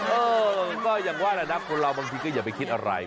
เออก็อย่างว่าแหละนะคนเราบางทีก็อย่าไปคิดอะไร